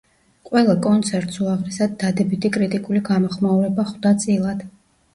ყველა კონცერტს უაღრესად დადებითი კრიტიკული გამოხმაურება ხვდა წილად.